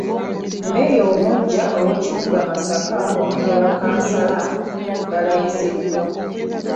Mmeeya omuggya ow’ekibuga Masaka wamu ne bakkansala balayiziddwa.